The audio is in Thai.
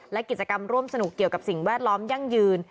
และกิจกรรมร่วมสนุกเกี่ยวกับสิ่งแวดล้อมยั่งยืน